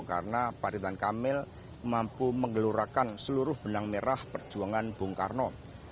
karena pak ridwan kamil mampu menggelurakan seluruh benang merah perjuangan bung karno